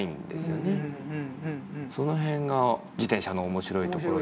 その辺が自転車の面白いところ。